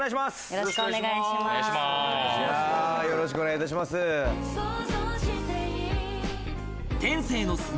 よろしくお願いします。